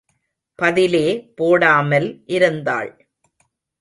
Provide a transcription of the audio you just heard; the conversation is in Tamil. பதிலே போடாமல் இருந்தாள்.